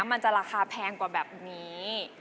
มันจะราคาแพงกว่าแบบนี้